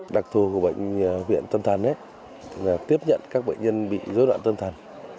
đặc thù của bệnh viện tâm thần là tiếp nhận các bệnh nhân bị dối loạn tâm thần